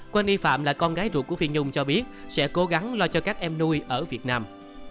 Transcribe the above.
quanh nghi phạm là con gái ruột của phi nhung cho biết sẽ cố gắng lo cho các em nuôi ở việt nam